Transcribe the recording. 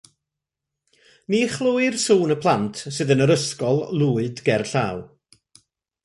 Ni chlywir sŵn y plant sydd yn yr ysgol lwyd gerllaw.